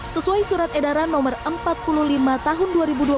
sesuai surat edaran no empat puluh lima tahun dua ribu dua puluh